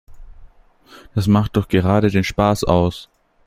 Das macht doch gerade den Spaß aus.